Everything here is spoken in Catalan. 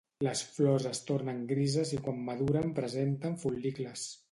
Les flors es tornen grises i quan maduren presenten fol·licles.